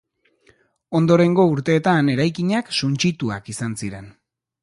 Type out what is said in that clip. Ondorengo urteetan eraikinak suntsituak izan ziren.